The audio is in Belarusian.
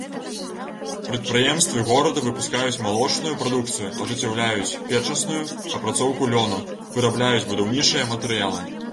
Прадпрыемствы горада выпускаюць малочную прадукцыю, ажыццяўляюць першасную апрацоўку лёну, вырабляюць будаўнічыя матэрыялы.